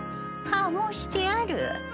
はあもうしてある。